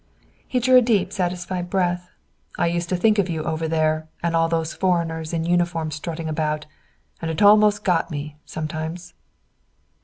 He drew a deep satisfied breath. "I used to think of you over there, and all those foreigners in uniform strutting about, and it almost got me, some times."